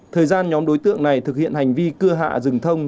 thời gian nhóm đối tượng này thực hiện hành vi cưa hạ rừng thông